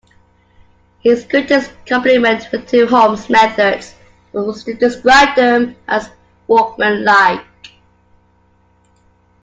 His greatest compliment to Holmes' methods was to describe them as "workmanlike".